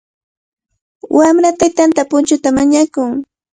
Wamra taytanta punchuta mañakun.